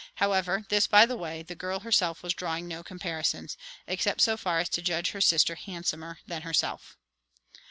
However, this by the way; the girl herself was drawing no comparisons, except so far as to judge her sister handsomer than herself.